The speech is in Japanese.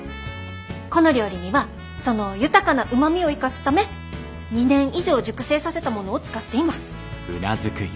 この料理にはその豊かなうまみを生かすため２年以上熟成させたものを使っています。